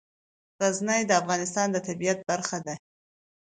غزني د افغانستان د طبیعت برخه ده.